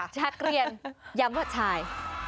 นักเรียนย้ำว่าชาย